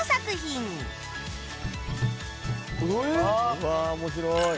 うわあ面白い。